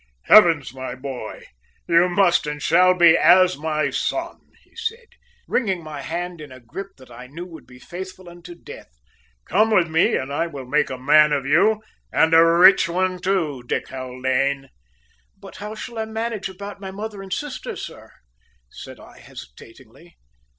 "Heavens! my boy, you must and shall be as my son," he said, wringing my hand in a grip that I knew would be faithful unto death. "Come with me and I will make a man of you, and a rich one, too, Dick Haldane!" "But how shall I manage about my mother and sister, sir?" said I hesitatingly.